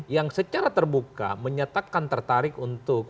yang secara terbuka menyatakan tertarik untuk